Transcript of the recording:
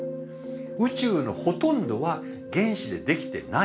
宇宙のほとんどは原子でできてないんです。